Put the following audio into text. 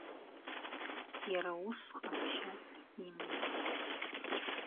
Иара ус ҟазшьаз иман.